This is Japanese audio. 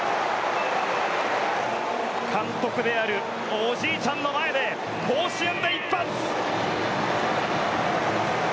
監督であるおじいちゃんの前で甲子園で一発！